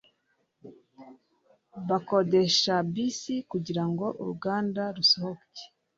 Bakodesha bisi kugirango uruganda rusohoke.